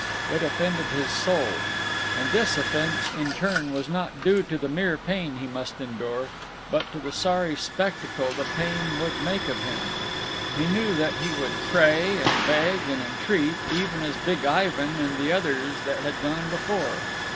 It offended his soul. And this offence, in turn, was not due to the mere pain he must endure, but to the sorry spectacle the pain would make of him. He knew that he would pray, and beg, and entreat, even as Big Ivan and the others that had gone before.